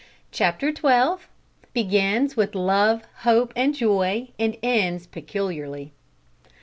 CHAPTER TWELVE. BEGINS WITH LOVE, HOPE, AND JOY, AND ENDS PECULIARLY.